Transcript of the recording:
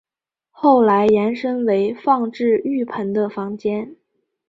后来延伸为放置浴盆的房间。